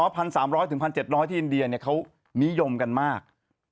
ปัญหาที่อินเดียเขามิยมกันมาก